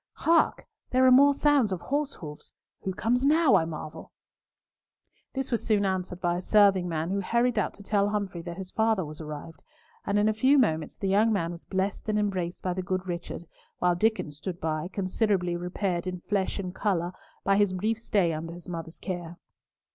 Hark! there are more sounds of horse hoofs. Who comes now, I marvel!" This was soon answered by a serving man, who hurried out to tell Humfrey that his father was arrived, and in a few moments the young man was blessed and embraced by the good Richard, while Diccon stood by, considerably repaired in flesh and colour by his brief stay under his mother's care.